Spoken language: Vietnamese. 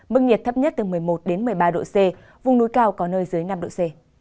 mức nhiệt thấp nhất từ một mươi một đến một mươi ba độ c vùng núi cao có nơi dưới năm độ c